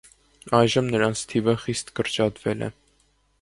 Այժմ նրանց թիվը խիստ կրճատվել է։